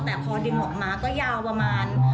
แต่พอดึงออกมาก็ยาวประมาณ